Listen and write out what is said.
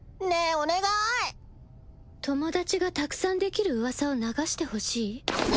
お願い友達がたくさんできる噂を流してほしい？